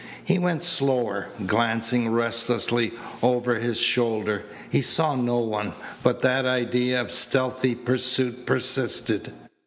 He went slower, glancing restlessly over his shoulder. He saw no one, but that idea of stealthy pursuit persisted.